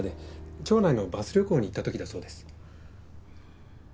町内のバス旅行に行った時だそうです。